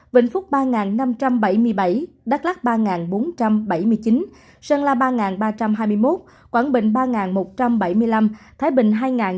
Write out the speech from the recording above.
vịnh phúc ba năm trăm bảy mươi bảy đắk lắc ba bốn trăm bảy mươi chín sơn la ba ba trăm hai mươi một quảng bình ba một trăm bảy mươi năm thái bình hai chín trăm bảy mươi sáu